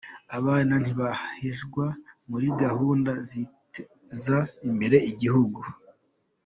Abana ntibahejwe muri gahunda ziteza imbere igihugu